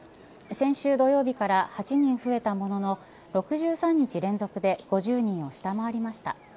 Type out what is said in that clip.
先週土曜日から８人増えたものの６３日連続で５０人を下回りました。